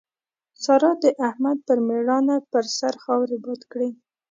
سارا د احمد پر ميړانه پر سر خاورې باد کړې.